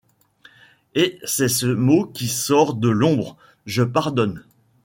Et c’est ce mot qui sort de l’ombre : Je pardonne.